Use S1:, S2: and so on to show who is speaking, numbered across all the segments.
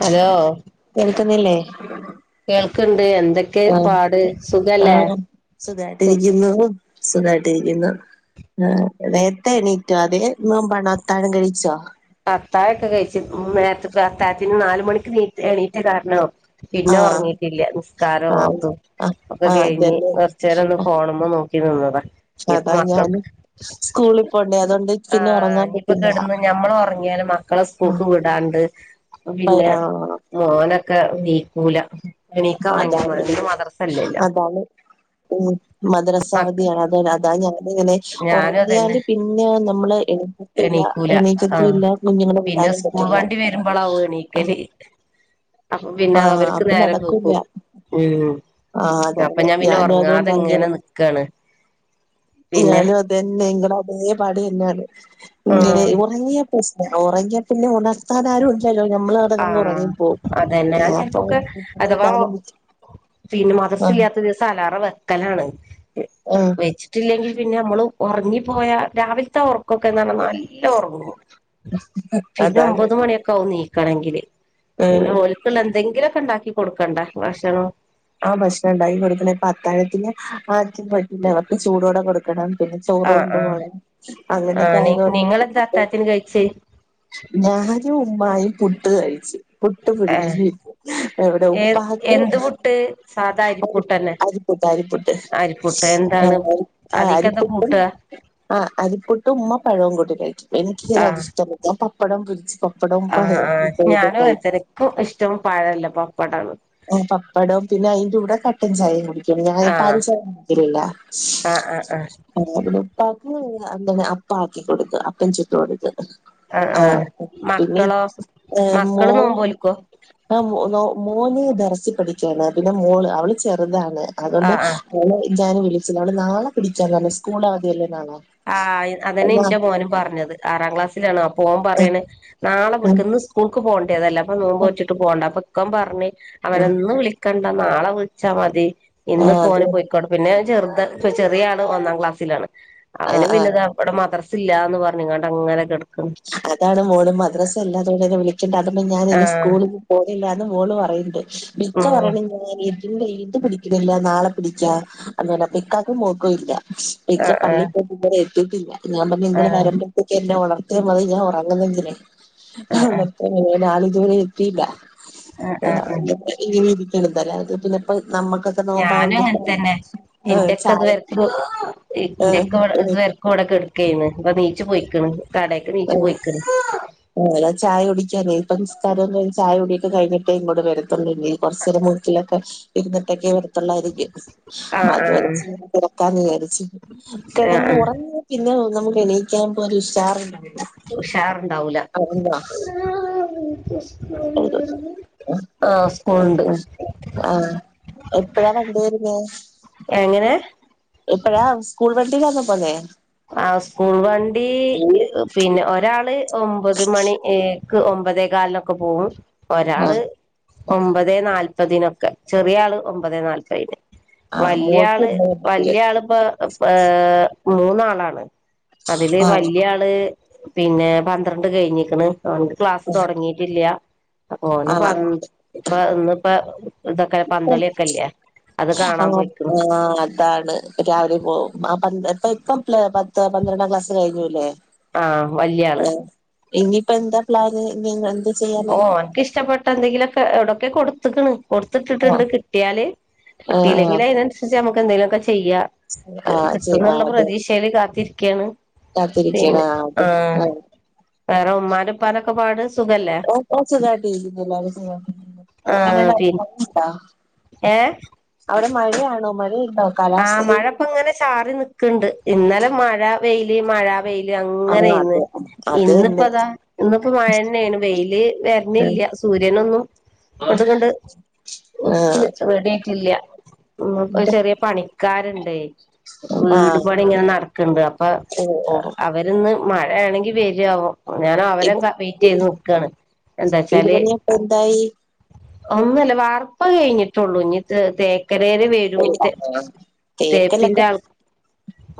S1: Hello
S2: കേൾക്കുന്നില്ലേ
S1: കേൾക്ക്ണ്ട് എന്
S2: ആഹ് ആഹ് സുഖായിട്ടിരിക്കുന്നു സുഖായിട്ടിരിക്കുന്നു നേരത്ത എണീറ്റോ അതേയ് നോമ്പാണൊ അത്താഴം കഴിച്ചോ
S1: അത്താഴം ഒക്കെ കഴിച്ചു നേരത്തെ അത്താഴത്തിന് നാല് മണിക്ക് ണി എണീറ്റ കാരണം പിന്നെ
S2: ആഹ്
S1: ഉറങ്ങിട്ടില്ല നിസ്കാരം
S2: ആഹ്
S1: ഓത്തും
S2: ആഹ്
S1: ഒക്കെ
S2: ആഹ്
S1: കഴിഞ്ഞ്
S2: അതന്നെ
S1: കുറച്ചു നേരം ഒന്ന് ഫോണുമ്പോ നോക്കീ ക്കി ഇരുന്നതാ ഇനിപ്പ
S2: അതാ
S1: മക്കൾക്
S2: ഞാനും സ്കൂളിൽ പോണ്ടേ അതുകൊണ്ട് പിന്നെ
S1: ആഹ്
S2: ഉറങ്ങാൻ
S1: ഇനിപ്പ
S2: പറ്റില്ല
S1: കെടന്ന് ഞമ്മൾ ഒറങ്ങി ങ്ങിയാല് മക്കളെ സ്കൂള്ക്ക് വിടാണ്ട്
S2: ആഹ്
S1: പിന്നെ
S2: ആഹ്
S1: മോനൊക്കെ ണീക്കൂല എണീക്കാൻ ഭയങ്കര
S2: അതാണ്
S1: മടി ഇന്ന് മദ്രസല്ലല്ലോ
S2: അതാണ് ഉം മദ്രസ അവധിയാണ് [unintelligible] അതാ ഞ ങ്ങനെ
S1: ഞാനും അതന്നെ
S2: ഉറങ്ങിയാല് പിന്നെ നമ്മള് എണീക്കത്തില്ല
S1: എണീക്കൂല ആഹ്
S2: എണീക്കതേയില്ല
S1: പിന്നെ സ്കൂൾ വണ്ടി വരുമ്പോളാവും എണീക്കല് അപ്പം പിന്നെ
S2: ആഹ്
S1: അവർക്ക്
S2: അപ്പൊ
S1: നേരം
S2: നടക്കൂല്ല
S1: വേഗും ഉമ്
S2: ആഹ്
S1: അപ്പം
S2: അതാണ്
S1: ഞാൻ പിന്നെ
S2: ഞാനും
S1: ഉറങ്ങാതെ ഇങ്ങനെ
S2: അതുകൊണ്ടാണ്
S1: നിക്കാണ് പിന്നെ
S2: ഞാനും അതന്നെ ഇങ്ങനെ പാടിയെന്നാണ് ഇങ്ങനെ
S1: ആഹ്
S2: ഉറങ്ങിയ പ്രസ് ഉറങ്ങിയ പിന്നെ ഉണർത്താത് ആരും ഇല്ലലൊ ഞമ്മള് അടെങ്ങനെ
S1: ആഹ്
S2: ഉറങ്ങി
S1: അതന്നെ ഞാൻ
S2: പോവും അപ്പം
S1: ചെലപ്പോക്കെ അഥവാ
S2: [unintelligible]
S1: പിന്നെ മദ്രസ ഇല്ലാത്ത ദിവസം അലാറ വെക്കലാണ്
S2: ആഹ്
S1: വെച്ചിട്ടില്ലെങ്കിൽ പിന്നെ നമ്മളും ഉറങ്ങി പോയാ രാവിലത്തെ ഉറക്കൊക്കെ എന്നർഞ്ഞ നല്ല ഉറങ്ങും പിന്നെ
S2: അതാണ്
S1: ഒമ്പത് മണിയൊക്കെ ആകും നീക്കണെങ്കില്
S2: ഏഹ്
S1: പിന്നെ ഓൽക്കുള്ള എന്തെങ്കിലും ഒക്കെ ഉണ്ടാക്കി കൊടുക്കണ്ടെ ഭക്ഷണം
S2: ആഹ് ഭക്ഷണം ഇണ്ടാക്കി കൊടുക്കണ ഇപ്പൊ അത്താഴത്തിൻ ആർക്കും പറ്റൂല പ്പം ചൂടോടെ കൊടുക്കണം പിന്നെ ചോറ്
S1: ആഹ്
S2: കൊണ്ട്
S1: ആഹ്
S2: പോണം അങ്ങനെ കെ
S1: ആഹ്
S2: ആയതു കൊണ്ട്
S1: നിങ്ങളെന്താ അത്താഴത്തിന് കഴിച്ചേ
S2: ഞാനും ഉമ്മായിം പുട്ട് കഴിച്ചി പുട്ട്
S1: ഏഹ്
S2: [unintelligible] എവിടെ ഉപ്പാക്
S1: ട്ട് സാധാ അരി പുട്ടല്ലേ
S2: അരിപ്പുട്ട് അരിപ്പുട്ട് ആഹ്
S1: അതിക്കെന്താ
S2: അരിപ്പുട്ട്
S1: കൂട്ടാ
S2: ആഹ് അരിപ്പുട്ടും ഉമ്മ പഴും കൂട്ടി കഴിച്ചു എനിക്ക്
S1: ആഹ്
S2: അത്ഷ്ടല്ല ഞാൻ പപ്പടം പിരിച്ച് [unintelligible]
S1: ആഹ് ആഹ് ഞാനും അങ്ങനെ തന്നെ ഇന്ക് ഇഷ്ടം പഴല്ല പപ്പാടാണ്
S2: ആഹ് പപ്പടും പിന്നെ അയിന്റെ കൂടെ കട്ടൻ ചായ കു കൽ ഞാ പാൽ
S1: ആഹ്
S2: ചേർത്ത് ടികലില്ല [unintelligible]
S1: ആഹ് ആഹ് ആഹ്
S2: ഉമ് അന്തെ അപ്പ ആക്കി കൊടുക്ക് അപ്പ ചുട്ട് കൊടുത്ത് ആഹ് പിന്നെ ഏഹ് മോ
S1: മക്കള് നോമ്പോൽക്കോ
S2: ആ നോ മോന് ദർസ് പഠിക്കാണ് പിന്നെ മോള് അവള് ചെറുതാണ് അതോണ്ട്
S1: ആഹ് ആഹ്
S2: മോള് ഞാൻ വിളി ച്ചില്ല നാളെ പിടിക്കാന്ന് പറഞ് സ്കൂളവതി അല്ലേ നാളെ
S1: ആ അതെന്നെ
S2: ആഹ്
S1: ഇന്റെ മോനും പറഞ്ഞത് ആറാം ക്ലാസ്സിലാണ് അപ്പോൻ
S2: ആഹ്
S1: പറയാണ് നാളെ പിടിക്ക ഇന്ന് സ്കൂൾക്ക് പോണ്ടേതല്ലേ അപ്പൊ നോമ്പ്
S2: ആഹ്
S1: നോറ്റ്ട്ട് പോണ്ട അപ്പൊ ഇക്കം പർഞ്ഞ് അതല്ല ഇന്ന് വിളിക്കണ്ട നാളെ വിളിച്ചാ മതി ഇന്ന്പ്പോന്
S2: അതെ
S1: പൊയ്ക്കോട്ടെ പിന്നെ ചെറു ചെറിയാള് ഒന്നാം ക്ലാസ്സിലാണ് അവന്
S2: ആഹ് ആഹ്
S1: പിന്നെ ത വടെ മദ്രസ് സില്ലാന്ന് പറഞ്ങ്ങാണ്ടങ്ങനെ കെട്
S2: അതാണ് മോളും മദ്രസ ഇല്ലാത്തോണ്ടെന്നെ വിളിക്കണ്ട അതോണ്ട് ഞാൻ ഇന്ന്
S1: ആഹ്
S2: സ്കൂളിലും പോ ഇല്ലന്ന് മോള് പറയ്ണ്ട് ഇക്ക
S1: ഉം
S2: പറയണ ഞാനീ ഇന്ന് ഇത് പിടിക്ക്ണില്ല നാളെ പിടിക്ക അന്ന് പർഞ് ഇക്കാക്കും മോക്കും ല്ല ഇക്ക
S1: ആഹ് ആഹ്
S2: പള്ളിപ്പോയിട്ട് ത് വരെ എത്തിട്ടില്ല ഞാൻ പറഞ്ഞു നിങ്ങളെ
S1: ആഹ്
S2: വരമ്പോഴത്തേക്കെന്നെ [unintelligible] ത്യാ മതി ഞാൻ ഉറങ്ങുന്നെന്തിന
S1: ആഹ് ആഹ്
S2: [unintelligible] ആള് ഇത് ദൂരെ എത്തില്ല
S1: ആഹ് ആഹ് ആഹ്
S2: [unintelligible]
S1: ഞാനും അങ്ങൻത്തെന്നെ
S2: ആഹ്
S1: ഇന്റെക്ക
S2: ചായ
S1: ഇതുവെര്ക്കും ഇന്റെക്ക ഇത്
S2: ആഹ്
S1: വെ [unintelligible] കെട്ക്കേന്ന് ഇപ്പൊ ണീച്ച് പൊയ്ക്ക്ണ്
S2: [unintelligible] ചായ കുടിക്ക നേപ്പസ്കാരം ചായ കുടി കഴിഞ്ഞിട്ടേ ഇങ്ങോട്ട്‌ വരത്തുള്ളൂ ഇല്ലിൽ കൊർച്ചേരം മൂക്കിലൊക്കെ ഇര്ന്നിട്ടേ വ
S1: ആഹ് ആഹ്
S2: [unintelligible]
S1: ആഹ് ആഹ്
S2: കെടന്ന്
S1: ആഹ്
S2: ഒറങ്ങിയ പിന്നെ നമുക്ക് എണീക്കമ്പോ ഒരു ഉഷാർ ണ്ടാവൂല
S1: ഉഷാറ്ണ്ടാവൂല
S2: [unintelligible]
S1: സ്കൂളുണ്ട്
S2: ഉം ആ എപ്പഴാ വണ്ടി വെരുന്നേ
S1: എങ്ങനെ
S2: എപ്പഴാ സ്കൂൾ വണ്ടിലാന്നൊ പോന്നേ
S1: ആ സ്കൂൾ വണ്ടി പിന്നെ ഒരാള് ഒമ്പത് മണി ഏ ക്ക് ഒമ്പതേ കാലിനൊക്കെ പോകും
S2: ആഹ്
S1: ഒരാള് ഒമ്പതേ നാൽ പ്പതിനൊക്കെ ചെറിയാള് ഒമ്പതെ നാൽപ്പതിന്
S2: ആഹ് മോൾക്ക്
S1: വല്ല്യാള്
S2: ഉണ്ട്
S1: വല്ല്യായാളിപ്പൊ പ്പ മൂന്നാളാണ് അതില്
S2: ആഹ്
S1: വല്ല്യാള് പിന്നെ പന്ത്രണ്ട് കഴിഞ്ഞിക്കണു അതുകൊണ്ട് ക്ലാസ് തുടങ്ങിയിട്ടില്ല്യ അപ്പ ഓന്
S2: ആഹ്
S1: പന്ന് ഇപ്പ ഇന്നിപ്പ ഇതൊക്കെ
S2: അപ്പം
S1: പന്തളിയൊക്കെല്ലേ അത്
S2: ആ
S1: കാണാൻ പോയിക്ക്ണ്
S2: ആ അതാണ് രാവിലെ പോകും പന്ത്ര എപ്പ ഇപ്പം ത്തില് പത്ത് പന്ത്രണ്ടാം ക്ലാസ് കഴിഞ്ഞുല്ലേ
S1: ആഹ് വല്യ ആള്
S2: ഏ ഇനിയിപ്പ എന്താ പ്ലാന് ഇനി എങ്ങാണ്ട്
S1: ഓ ഓൻക്കിഷ്ടപ്പെട്ട എന്തെങ്കിലുമൊക്കെ എവിടൊക്കെയൊ കൊടുത്തക്കണു കൊടുത്തിട്ടിട്ടുണ്ട്
S2: ആഹ്
S1: കിട്ടിയാല്
S2: ആഹ് ആഹ്
S1: കിട്ടില്ലെങ്കിലതിനനുസരിച്ച് നമുക്കെന്തെങ്കിലുവൊക്കെ ചെ ചെയ്യാം കി
S2: ആഹ് ചെ
S1: കിട്ടുന്നുള്ള
S2: ആഹ് അതെ
S1: പ്രതീഷേല് കാത്തിരിക്കയാണ്
S2: കാത്തിരിക്കണ
S1: പിന്നെ
S2: ആഹ്
S1: അ
S2: അതെ
S1: ആഹ
S2: ആഹ്
S1: വേറെ ഉമ്മാന്റെ ഉപ്പാന്റെക്കെ പാട് സുഖല്ലേ
S2: ഓ ഓ സുഗായിട്ടിരിക്കുന്നു എല്ലാരും സുഗായിട്ടിരിക്കുന്നു
S1: ആഹ് പിൻ
S2: [unintelligible]
S1: ഏഹ്
S2: അവിടെ മഴയാണോ മഴ
S1: ആ മഴപ്പങ്ങനെ ചാറി നിക്കണ്ട് ഇന്നലെ മഴ വെയില് മഴ വെയില്
S2: ആഹ്
S1: അങ്ങനെയിന്ന്
S2: അതെ അത് തന്നെ
S1: ഇന്നിപ്പോതാ ഇന്നിപ്പോ മഴന്നെയാണ് വെയില്
S2: ഉം
S1: വരണില്ല സൂര്യനൊന്നും അങ്ങട്ട് ങ്ങട്ട് ഒദിച്ച്
S2: ആഹ്
S1: റെഡിയായിട്ടില്ല ഉം പ്പ
S2: ടെ
S1: ചെറിയ പണിക്കാരണ്ടെ
S2: ആഹ്
S1: വീടുപണി ഇങ്ങനെ നടക്കണ്ട് അപ്പ
S2: ഓഹ് ഓഹ്
S1: അവരിന്ന് മഴയാണെങ്കി വരൊ ആവോ ഞാനവരേം ക വെയിറ്റ് ചെയ്ത് നിക്കാണ് എന്താച്ചാല്
S2: ഇടിപണിയൊക്കെ എന്തായി
S1: ഒന്നുല്ല വാർപ്പ് കഴിഞ്ഞിട്ടൊള്ളൂ ഇനി തേ തേക്കലേര് വരും തേ തേപ്പിന്റെ
S2: തേക്കലൊക്കെ
S1: ആള്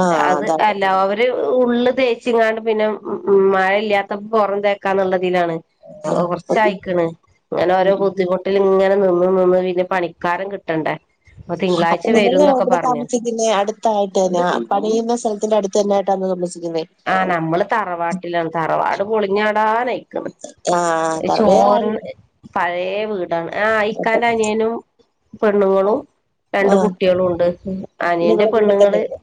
S2: ആഹ്
S1: അത്
S2: അതാണ്
S1: എല്ലാവരും ഉള്ള് തേച്ചിങ്ങാണ്ട് പിന്നെ മഴ ഇല്ലാത്തപ്പം പുറം തേക്കാന്നുള്ളത് ദിലാണ്
S2: ആഹ്
S1: കുറച്ചായിക്കിണ് ഇങ്ങനെ ഓരോ ബുദ്ധിമുട്ടില് ഇങ്ങനെ നിന്ന് നിന്ന് പിന്നെ പണിക്കാരിം കിട്ടണ്ടേ തിങ്കളാഴ്
S2: അല്ല ഇവിടെ താമസിക്കുന്ന അടുത്തായിട്ട് തന്നെ പണിയുന്ന സ്ഥലത്തിന്റെ അടുത്ത് തന്നൊയിട്ട തമ
S1: ആഹ് നമ്മള് തറവാട്ടിലാണ് തറവാട് പൊളിഞ്ഞാടാനായി
S2: ആഹ് ത വേറെ ആര്
S1: ചോർന്ന് പയേ ആ ഇക്കാന്റെ അനിയനും പെണ്ണുങ്ങളും രണ്ട്
S2: ആഹ്
S1: കുട്ടികളും ഉണ്ട് അനിയന്റെ
S2: നിങ്ങളെ കൂടെ
S1: പെണ്ണുങ്ങള്
S2: തന്നെയുണ്ട്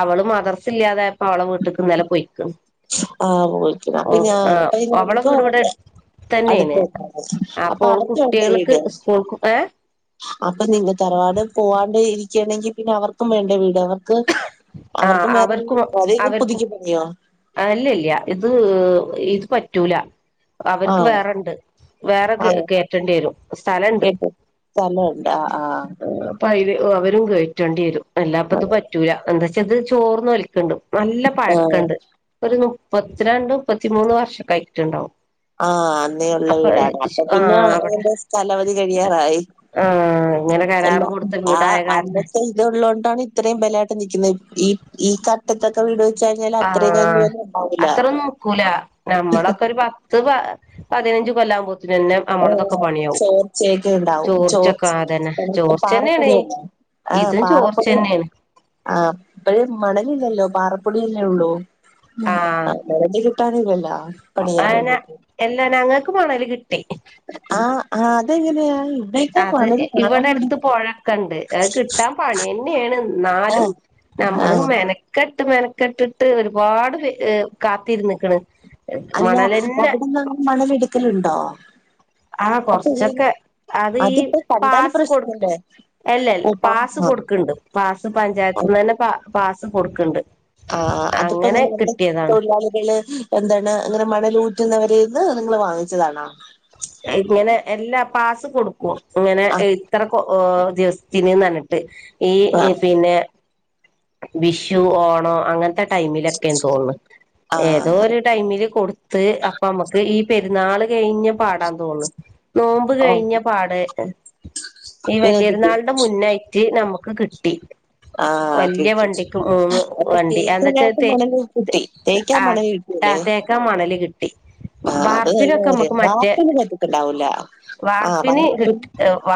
S1: അവള് മദർസില്ലാതായപ്പോ അവളെ വീട്ട്ക്ക് ഇന്നല പൊയ്ക്കിണ്
S2: ആഹ് പോളിക്ക അപ്പൊ ഞൻ
S1: അവളെ വീട് ഇവിടെ
S2: [unintelligible] അടുത്ത
S1: തന്നെയാണ്
S2: അപ്പൊ
S1: ഓള്
S2: അവർക് ഉണ്ടോ
S1: കുട്ടികൾക്ക്
S2: വീട്
S1: സ്കൂൾക്കും ഏ
S2: അപ്പൊ നിങ്ങ തറവാട് പോവാണ്ട് ഇരിക്കയാണെങ്കിൽ പിന്നെ അവർക്കും വേണ്ടെ വീട് അവർ
S1: ആ
S2: അവർക്കും വേറെ രീതി അതും
S1: അവർക്കും
S2: പുതുക്കി പണിയോ
S1: അല്ല ഇല്ല ഇത് ഇത് പറ്റൂല അവർക്ക്
S2: ആഹ്
S1: വേറെണ്ട് വേറെ
S2: ആഹ്
S1: കേറ്റേണ്ടി വരും സ്ഥലുണ്ട്
S2: ആഹ
S1: അവരും കേയറ്റേണ്ടി വരും അല്ലാപ്പത് പറ്റൂല എന്താ വെച്ചാ ഇത് ചോർന്ന ഒലിക്ണ്ട് നല്ല
S2: ആഹ്
S1: പഴക്കണ്ട് ഒരു മുപ്പത്തിരണ്ട് മുപ്പത്തിമൂന്ന് വർഷക്കായിട്ടിട്ടുണ്ടാവും
S2: ആഹ അന്നേള്ള വീടാണ് അപ്പൊ
S1: ആ
S2: പിന്നെ
S1: അവിടെ
S2: എറെ സ്ഥലവധി കഴിയാറായി
S1: ആ ഇങ്ങനെ
S2: അല്ല
S1: കരാറ് കൊടുത്ത
S2: ആ
S1: വീടായ കാരണം
S2: അന്നത്തെ ഇത് ഉള്ളതുകൊണ്ടാണ് ഇത്രയും ബലമായിട്ട് നിലക്കുന്നത് ഈ ഈ കട്ടത്തൊക്കെ വീട് കഴിഞ്ഞാൽ
S1: ആഹ
S2: അത്രയൊക്കെ ഒന്നും ഉണ്ടാവൂല.
S1: അത്ര നോക്കൂല നമ്മളൊക്കെ ഒരു പത്ത് പതിനഞ്ച് കൊല്ലാവുമ്പോ ത്തിനന്നെ നമ്മളതൊക്കെ
S2: ഏഹ്
S1: പണിയാവും
S2: ചോർച്ചയൊക്കെ ഉണ്ടാവും.
S1: ചോർച്ചൊക്കെ
S2: ചോർച്ച
S1: ആതന്നെ
S2: നമുക്ക്
S1: ചോർച്ച തന്നെയണ
S2: പാറപ്പൊടിയല്ലേ.
S1: ഇതും ചോർച്ചന്നെയാണ്
S2: ആഹ ഇപ്പയ് മണലില്ലല്ലോ പാറപ്പൊടിയല്ലേ ഉള്ളൂ മണൽ കിട്ടാനില്ല ലോ
S1: അന എല്ലാ ഞങ്ങക്ക് മണല് കിട്ടി
S2: ആഹ ആ അതെങ്ങനെയായി
S1: അത് ഇവിടെ അടുത്ത് പുഴക്കെണ്ട് അത് കിട്ടാൻ പണി തന്നെയാണ് എന്നാലും
S2: ആഹ് ആഹ്
S1: നമ്മളും മെനക്ക ഇട്ട് മെനക്കെട്ടിട്ട് ഒരുപാട് കാത്തിരുന്ന്ക്ണ്
S2: അല്ല അവിടന്ന്ങ്ങെ മണലെടുക്കലുണ്ടോ
S1: ആഹ
S2: അപ്പൊ എങ്ങനെ?
S1: കൊറച്ചൊക്കെ അത് ഈ
S2: അതിപ്പോ കണ്ടാല്
S1: പാസ് കൊടുക്ക
S2: പ്രശ്നല്ലേ?
S1: അല്ല
S2: ഓ
S1: പാസ് കൊടുക്കണ്ട് പാസ്സ് പഞ്ചായത്തി നിന്ന് തന്നെ പാസ്സ് കൊടുക്കണ്ട്
S2: ആ അതിപ്പോ
S1: അങ്ങനെ
S2: എങ്ങനെ ന
S1: കിട്ടിയതാണ്
S2: തൊഴിലാളികള് എന്താണ് അങ്ങനെ മണലൂറ്റുന്നവരെൽന്ന് നിങ്ങൾ വാങ്ങിച്ചതാണോ
S1: ഇങ്ങനെ എല്ലാ പാസ് കൊടുക്കും ഇങ്ങനെ ഇത്ര ഓ ദിവസത്തിന്ന് ന്ന്നിട്ട് ഈ
S2: ആഹ്
S1: പിന്നെ വിഷു ഓണംോ അങ്ങനത്തെ ഏതോ ടൈമിലൊക്കെ തോന്നുന്നു ഏതോ
S2: ആഹ്
S1: ടൈമ കൊടുത്ത് അപ്പോ നമ്മക്ക് ഈ പെരുന്നാൾ കഴിഞ്ഞ് പാടാൻ തോന്നു നോമ്പ് കഴിഞ്ഞ
S2: ഓക്കെ
S1: പാട ഈ
S2: നിങ്ങൾക്ക് കിട്ടി
S1: വലിയൊരുന്നാളുടെ മുന്നയിറ്റ് നമുക്ക് കിട്ടി
S2: ആഹ് ഓക്കെ
S1: വലിയ
S2: ഓക്കെ.
S1: വണ്ടിക്ക്ും മൂന്ന്
S2: അപ്പൊ
S1: വണ്ടി എന്താ
S2: തേക്കാനായിട്ട്
S1: വച്ചാ
S2: മണല് കിട്ടി. തേക്കാൻ മണല്
S1: ആ
S2: കിട്ടൂല്ലേ?
S1: തെക്ക് മണല് കിട്ടി
S2: ആഹ് അത് നല്ല
S1: ബാർപ്പിനൊക്കെ
S2: കാര്യം.
S1: നമുക്ക് മറ്റേ
S2: വാർപ്പിന് പറ്റത്തുണ്ടാവൂല. ആഹ്
S1: ബാർപ്പന്
S2: വാർപ്പ്
S1: കിട്ട വ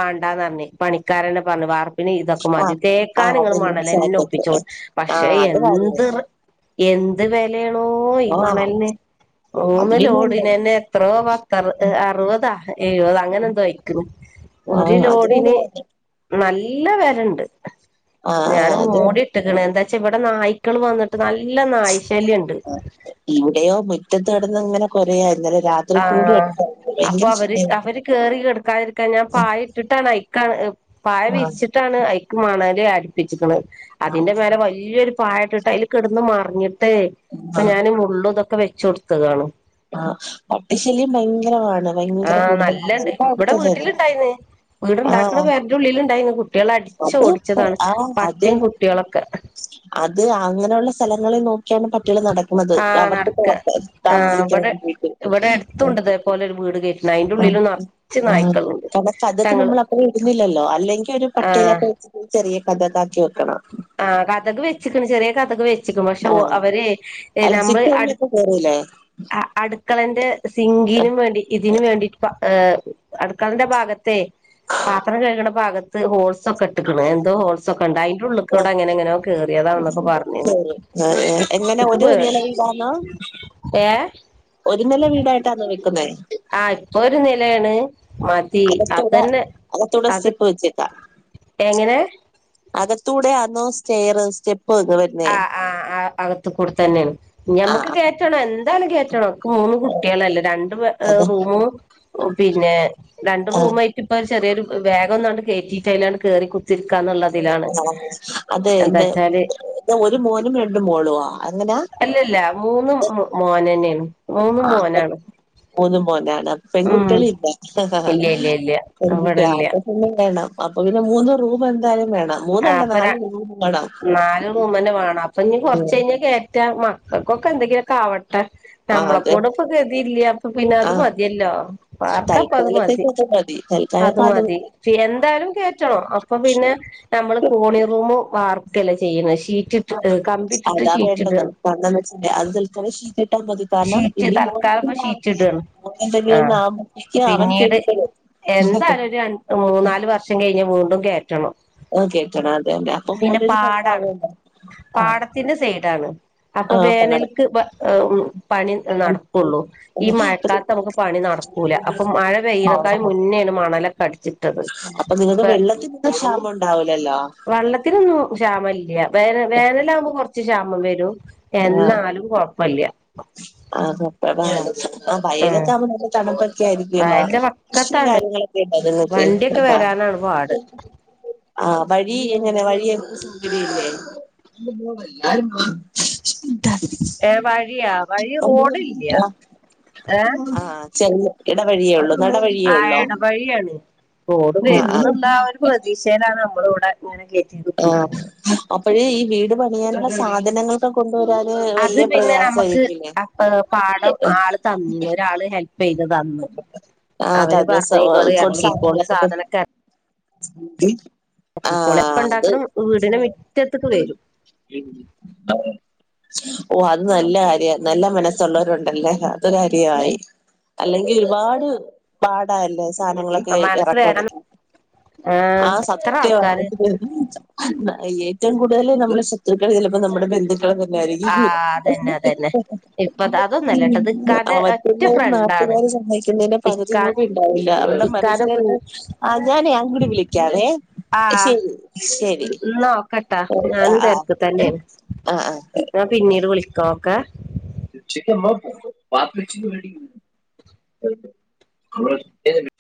S1: പണിക്കാര പറഞ്ഞു വാർപ്പിന് ഇതൊക്കെ മതി
S2: ആഹ്
S1: തേക്കാ
S2: ആഹ്
S1: നിങ്ങൾ മ
S2: അതന്നെ
S1: ഇന്നലെന്നെ
S2: ചാക്കൊക്കെ.
S1: ഒപ്പിച്ചോ പക്ഷെ
S2: ആഹ് അത് കാര്യായി.
S1: എന്ത് എന്ത് വിലയാണോ ഈ
S2: ആഹ്
S1: മണ്ണലിന്
S2: അത്
S1: മൂന്ന്
S2: പിന്നല്ലേ
S1: ലോഡിനന്നെ എത്രയോ പത്തറു അറുപതാ എഴുപത അങ്ങനെ എന്തോ ആയിക്കുന്നു ഒരു
S2: ആഹ് അത്
S1: ലോഡിന്
S2: വേണം.
S1: നല്ല വിലുണ്ട്
S2: ആഹ്
S1: ഞാൻ
S2: ആഹ് അത് വേണം.
S1: മൂടി ഇട്ടക്കണ എന്താ വച്ചാ ഇവിടെ നായ്ക്കള് വന്നിട്ട് നല്ല നായ ശല്യുണ്ട്
S2: അ ഇങ്ങനെ കൊറ
S1: ആഹ് അപ്പൊ അവര്
S2: ശല്യമായിരുന്നു.
S1: അവര് കേറി കിടുക്കാതിരിക്കാൻ ഞാൻ പായ ഇട്ടിട്ടാണ പായ
S2: ആഹ്
S1: വിരിച്ചിട്ടാണ് ഐക്ക് മണ്ണലിന് അടിപ്പിച്ചിരിക്കുന്നത്
S2: ആഹ്
S1: അതിന്റെ മേലെ വലിയൊരു പഴട്ടിട്ട് അതിൽ കിടന്ന് മറിഞ്ഞിട്ടേ ഇപ്പൊ ഞാൻ മുള്ളും ഇതൊക്കെ വെച്ച കൊടുത്തുകാണ്
S2: ആ പടി ശല്യം ഭയങ്കരാണ് ഭയങ്കര
S1: ആഹ്
S2: കൂടുതലാണ്
S1: നല്ലണ്ട്
S2: എന്താ
S1: ഇവിടെ
S2: അടുത്തത്
S1: വീട്ടിലുണ്ടായിന്ന് വീടുണ്ടാക്കണ പേരയുടെ ഉള്ളില ഇണ്ടായിന്ന് കുട്ടികള അടിച്ചു
S2: അത്
S1: ഓടിച്ചതാണ്
S2: ആഹ്
S1: പട്ടിയും
S2: അതന്നെ
S1: കുട്ടികളൊക്കെ
S2: അത് അങ്ങനെയുള്ള സ്ഥലങ്ങളിൽ നോക്ക ാണ് പട്ടിള നടക്കുന്നത്
S1: ആഹ്
S2: അവർക്കൊക്കെ
S1: നടക്ക ആഹ്
S2: താമസിക്കാൻ
S1: ഇവിടെ
S2: വേണ്ടിട്ട്
S1: ഇവിടെ അടുത്തുണ്ട് ഇതേപോലെ ഒരു വീട് കേറ്റണ അയിന്റെ ഉള്ളില് നറച്ച് നായ്ക്കളുണ്ട്
S2: കട അതൊക്കെ
S1: ഞങ്ങള്
S2: നമ്മൾ അപ്പ ഇരുന്നില്ലല്ലോ അല്ലെങ്ക ഒരു
S1: ആഹ്
S2: പട്ടയിലൊക്കെ വെ ചെറിയ കഥ താക്കി വെക്കണം
S1: ആ കതക് വെച്ച്ക്ണ്. ചെറിയ കതക് വെച്ചിക്ണ്. പക്ഷെ
S2: ആഹ്
S1: അവര്
S2: അല്ല
S1: നമ്മള്
S2: സിറ്റ്
S1: അട്
S2: ഔട്ടിലൊക്കെ കേറൂലേ?
S1: അടുക്കളന്റെ സിങ്കിനും വേണ്ടി ഇതിന് വേണ്ടി ഏഹ് അടുക്കളന്റെ ഭാഗത്തെ പാത്രം കഴുകണ ഭാഗത്ത് ഹോൾസ് സൊക്കെട്ടക്ണ്. എന്തോ ഹോൾസൊക്കണ്ട് അയ്ൻ്റെ ഉള്ള് ക്കൂടെ അങ്ങനെ എങ്ങനോ കേറിയതാന്നൊക്കെ പറഞ്ഞീന്ന്.
S2: ശരി എങ്ങനെ
S1: ഇക്ക്
S2: ഒരു
S1: പേ
S2: നില വീടാന്നോ
S1: ഏഹ്
S2: ഒരു നില വീടായിട്ടാണോ വെക്കുന്നേ
S1: ആ ഇപ്പൊ ഒരു നിലേണ് മതി
S2: അകത്തൂടെ
S1: അതന്നെ
S2: അകത്തൂടെ
S1: അത്
S2: സ്റ്റെപ്പ് വെച്ചേക്കാ
S1: എങ്ങനെ
S2: അകത്തൂടെ ആന്നോ സ്റ്റേയറ്. സ്റ്റ
S1: ആഹ് ആഹ് ആ അകത്ത് കൂടെ തന്നേണ്
S2: ആ
S1: ഞമ്മക്ക് കേറ്റണം എന്താലും കേറ്റണം. ഇക്ക് മൂന്ന് കുട്ടിയേളല്ലേ രണ്ട് പേ
S2: അത്
S1: റൂമും പിന്നെ രണ്ടു
S2: ആ
S1: റൂം ആയിട്ട് ഇപ്പൊ ചെറിയൊരു വേഗം ഒന്നാണ്ട് കേറ്റിട്ട് അയ്ലാണ്ട് കേറി കുത്തിരിക്കാന്നുള്ളതിലാണ്
S2: അതെ
S1: എന്താ
S2: എന്തെ
S1: വച്ചാല്
S2: ഒരു മോനും രണ്ടു മോളുവാ അങ്ങനാ
S1: അല്ലല്ല മൂന്നും മോനെന്നെണ്
S2: ആ ന്നും മൂന്നും മോനാ
S1: ഉം
S2: പെൺകുട്ടികള് ഇല്ല.
S1: ഇല്ല ഇല്ല ഇല്ല
S2: പെൺകുട്ടി
S1: ഇവിടെ ഇല്ല
S2: ആപ്പ പിന്നെ വേണം അപ്പൊ പിന്നെ മൂന്ന് റൂമ് എന്തായാലും വേണം
S1: ആ
S2: മൂന്നല്ല
S1: അപ്പൊ ര
S2: നാല് റൂം വേണം
S1: നാല് മൂന്നന്നെ വേണം അപ്പൊ നീ
S2: ഉം.
S1: കൊറച്ചയിഞ്ഞ കേറ്റാ മ ക്കൾക്കൊ എന്തങ്കിലക്കെ ആവ ട്ടെ.
S2: ആ
S1: നമ്മളെ
S2: അതെ
S1: കൊണ്ടിപ്പൊ ഗതി ഇല്ല. അപ്പ പിന്നെ അത്
S2: ആ
S1: മതിയല്ലോ പാർക്കാപ്പം അത് മതി
S2: തൽക്കാലത്തേക്ക് അത് മതി
S1: അത്
S2: തൽക്കാലം
S1: മതി എന്തായാലും കേറ്റണം അപ്പൊ പിന്നെ നമ്മള് കോണീ റൂമ് വാർക്കല്ലെ ചെയ്യ് ണെ
S2: ആ അതാ വേണ്ടത് പണ്ടം വെച്ചിണ്ട് അത് തൽക്കാലം ഷീറ്റ് ട്ടാ മതി കാരണം
S1: ഷീറ്റ്
S2: ഇനി മോൻ
S1: തൽക്കാലം ഇപ്പ ഷീറ്റ്
S2: കൂടാവട്ടെ.
S1: ഇടാണ്
S2: മോനെന്തെങ്കിലും ഒന്ന്
S1: ആഹ്
S2: ആവ്മ്പത്തേക്ക് അവൻ
S1: പിന്നീട്
S2: കേറ്റിത്തരും
S1: എന്തായാലും ഒരു രൺ മൂന്നാല് വർഷം കഴിഞ്ഞ് വീണ്ടും കേറ്റണം
S2: ആ കേറ്റണം അതെന്നെ അപ്പൊ
S1: പിന്നെ
S2: മോനൊരു
S1: പാടാണ്
S2: പരിവാവല്ലോ ആ
S1: പാടത്തിന്റെ സൈഡാണ് അപ്പൊ
S2: ആ പാടം
S1: വേനൽക്ക് വ ഏഹ് ഉം പണി ഹ് നടക്കുള്ളൂ ഈ മഴക്കാലത്ത് നമുക്ക് പണി നടക്കൂല അപ്പൊ മഴ പെയ്യണക്കാഴ് മുന്നേണ് മണലക്കടിച്ച് ട്ടത്
S2: അപ്പൊ നിങ്ങക്ക്
S1: പ്പ
S2: വെള്ളത്തിനൊന്നും ക്ഷാമം ഉണ്ടാവൂലല്ലോ
S1: വള്ളത്തിനൊന്നു ക്ഷാമ ല്ല്യ വേന വേനലാവ്മ്പോ കൊറച്ച് ക്ഷാമം വരും
S2: ആ
S1: എന്നാലും കൊഴപ്പല്ല്യ
S2: ആ തൊട്ടതാ ആ
S1: ഉം
S2: വയലൊക്ക ആവ്മ്പോ നല്ല തണുപ്പ ക്കെ ആയിരിക്കുല്ലോ
S1: വയലിന്റെ
S2: കൃഷി
S1: വക്കത്താണ്
S2: കാര്യങ്ങളൊക്കെണ്ടോ നിങ്ങൾക്ക്
S1: വണ്ടിയൊക്കെ
S2: അപ്പ
S1: വരാനാണ് പാട്
S2: ആ വഴി എങ്ങനെ വഴിയൊക്കെ സൗകര്യല്ലേ
S1: ഏ വഴി വഴിയാ റോഡില്ല
S2: ആ
S1: ഏ
S2: ആ ചെറിയ ഇടവഴിയേ ഉള്ളു
S1: ആ എടവഴിയാണ് റോഡ്
S2: ആഹ് ആഹ്
S1: വരുംന്ന്ള്ള ആ ഒരു പ്രതീക്ഷേലാണ് മ്മള് വടെ ഇങ്ങനെ കേ
S2: ആ അപ്പഴേ ഈ വീട് പണിയാന്ള്ള സാധനങ്ങളൊക്ക കൊ ണ്ട് വരാന്
S1: അത്
S2: വല്ല്യ
S1: പിന്നെ നമുക്ക്
S2: പ്രയാസയിരിക്കില്ലേ
S1: അപ്പ പാടം ആള് തന്നീന്ന് ഒരാള് ഹെൽപ് ചെയ്ത് തന്ന്
S2: ആ
S1: അവര് പറഞ്ഞ്
S2: തലസം
S1: ഇങ്ങള്
S2: കൊ
S1: എറക്കിക്കോളി
S2: സാനങ്ങളൊക്ക കൊ [unintelligible]
S1: [unintelligible] കൊളേ
S2: ആഹ് അത്
S1: പ്പണ്ടാക്കണം വീടിന് മിറ്റത്ത്ക്ക് വരും
S2: ഉം [unintelligible] ഓ അത് നല്ല കാര്യ. നല്ല മനസ്സുള്ളോരുണ്ടല്ലേ അതു കാര്യായി അല്ലെങ്കി ഒരുപാട് പാടാല്ലേ സ് സാനങ്ങളൊക്കെ
S1: മനസ്സ് വേദന
S2: എറക്കണെങ്കി ആ
S1: എത്ര
S2: സത്യവാ
S1: ആൾക്കാര്
S2: [unintelligible] ഏറ്റവും കൂടുതല് നമ്മളെ ശത്രുക്കൾ ചിലപ്പം നമ്മുടെ ബന്ധു ക്കള്
S1: ആ
S2: തന്നായിരിക്കും.
S1: അതന്നെ അതന്നെ ഇപ്പ
S2: നമ്മക്ക്
S1: അതൊന്നല്ലട്ടോ ഇത് ഇക്കാന്റെ ഒറ്റ
S2: പിന്നവര് നാ
S1: ഫ്രണ്ടാണ്
S2: ട്ട്ക്കാര് സമ്മയിക്കുന്നേന്റെ
S1: ഇക്കാ
S2: പകുതിപോലും ഇണ്ടാവില്ല അവര്ടെ
S1: ഇക്കാന്റെ
S2: മനസ്സിലിരിപ്പ് ആ ഞാനേ അങ്ക്ട് വിളിക്കാവേ
S1: ആ
S2: ശരി ശരി
S1: ന് ന് ഓക്കട്ടാ ഞാനും
S2: ആഹ് ആഹ്
S1: തെരക്ക് തന്നെയാണ്
S2: ആഹ് ആഹ്
S1: ഞാൻ പിന്നീട് വിളിക്ക ഓക്കെ
S2: ഉച്ചക്ക് മ്മക്ക് പത്തുച്ചിന്റെ വീട്ടിക്ക് പൂവും [inaudible]